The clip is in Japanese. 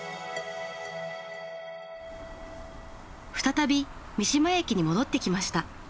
再び三島駅に戻ってきました。